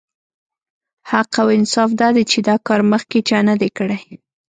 حق او انصاف دا دی چې دا کار مخکې چا نه دی کړی.